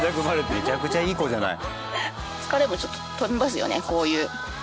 めちゃくちゃいい子じゃない。